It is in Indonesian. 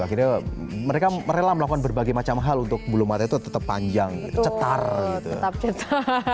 akhirnya mereka rela melakukan berbagai macam hal untuk bulu mata itu tetap panjang cetar gitu